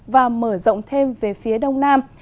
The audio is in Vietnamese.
và mở rộng thêm về phía đông nam